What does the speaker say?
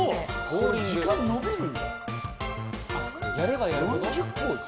これ、時間延びるんだ。